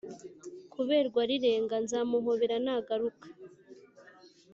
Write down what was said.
kuberwa rirenga.nzamuhobera nagaruka